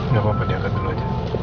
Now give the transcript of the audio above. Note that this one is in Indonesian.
gak apa apa dia akan denger aja